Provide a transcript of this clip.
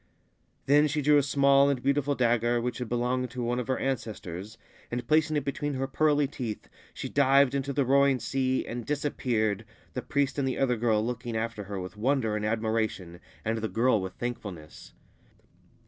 Then she drew a small and beautiful dagger, which had belonged to one of her ancestors, and, placing it between her pearly teeth, she dived into the roaring sea and disappeared, the priest and the other girl looking after her with wonder and admiration, arid the girl with thankfulness.